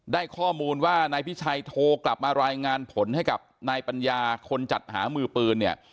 ได้ข้อมูลว่านายพิชัยโทรกลับมารายงานผลให้กับนายปัญญาคนจัดหามือปืนเนี่ย